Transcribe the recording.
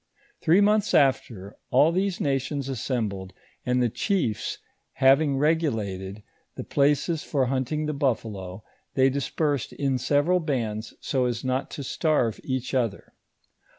Thrco months after, all those nations assembled, and the chiefs having regulated the places for hunting the buffalo, they dispersed in several bands so ns not to starve each other.